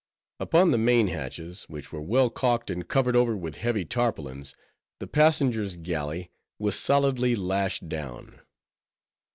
_ Upon the main hatches, which were well calked and covered over with heavy tarpaulins, the "passengers galley" was solidly lashed down.